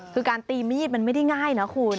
คือการตีมีดมันไม่ได้ง่ายนะคุณ